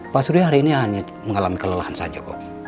pak surya hari ini hanya mengalami kelelahan saja kok